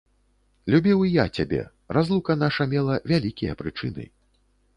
Любіў і я цябе, разлука наша мела вялікія прычыны.